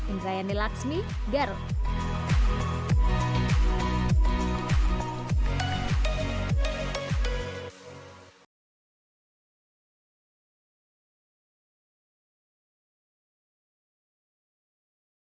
insayani lakshmi garut